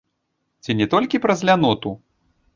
Ці не толькі праз ляноту.